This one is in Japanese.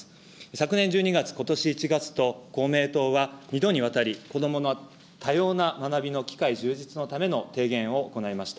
昨年１２月、ことし１月と、公明党は２度にわたり、こどもの多様な学びの機会充実のための提言を行いました。